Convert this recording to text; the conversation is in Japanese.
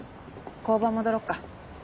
交番戻ろっか。